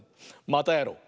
またやろう！